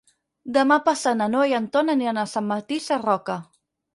Demà passat na Noa i en Ton aniran a Sant Martí Sarroca.